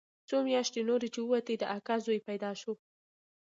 څو مياشتې نورې چې ووتې د اکا زوى پيدا سو.